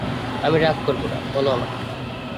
আমি রাগ করব না, বলো আমাকে।